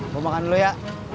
gue makan dulu ya